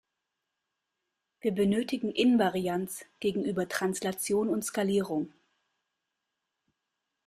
Wir benötigen Invarianz gegenüber Translation und Skalierung.